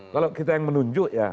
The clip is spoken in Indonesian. kalau kita yang menunjuk ya